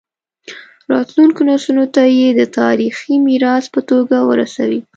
راتلونکو نسلونو ته یې د تاریخي میراث په توګه ورسوي.